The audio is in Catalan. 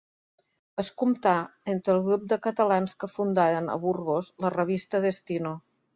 Es comptà entre el grup de catalans que fundaren, a Burgos, la revista Destino.